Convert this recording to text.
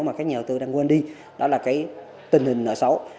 mà các nhà đầu tư đang quên đi đó là cái tình hình nợ xấu